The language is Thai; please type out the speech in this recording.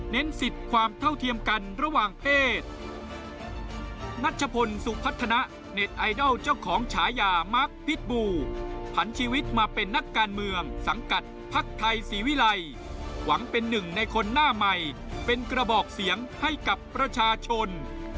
สิทธิ์ความเท่าเทียมกันระหว่างเพศนัชพลสุพัฒนะเน็ตไอดอลเจ้าของฉายามาร์คพิษบูผันชีวิตมาเป็นนักการเมืองสังกัดภักดิ์ไทยศรีวิรัยหวังเป็นหนึ่งในคนหน้าใหม่เป็นกระบอกเสียงให้กับประชาชน